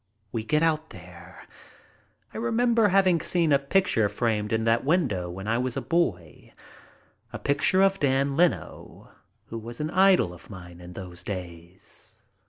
We get out there. I remember having seen a picture framed in that window when I was a boy — a pic ture of Dan Leno, who was an idol of mine in those days.